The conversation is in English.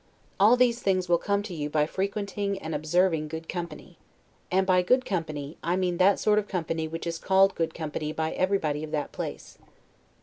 All these things will come to you by frequenting and observing good company. And by good company, I mean that sort of company which is called good company by everybody of that place.